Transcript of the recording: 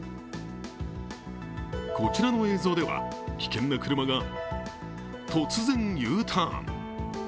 こちらの映像では危険な車が突然Ｕターン。